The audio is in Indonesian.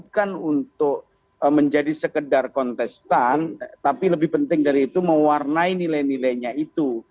bukan untuk menjadi sekedar kontestan tapi lebih penting dari itu mewarnai nilai nilainya itu